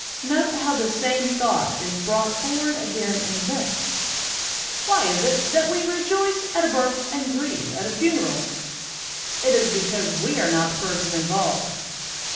Note how the same thought is brought forward again in this: "Why is it that we re joice at a birth and grieve at a funeral? It is because we are not the person involved."